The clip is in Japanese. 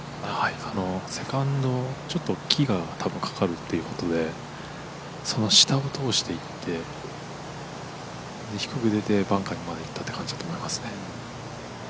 セカンド、ちょっと木がたぶんかかるということでその下を通していって低く出てバンカーにまでいったという感じだと思いますね。